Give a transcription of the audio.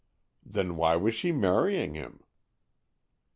"Then why was she marrying him?"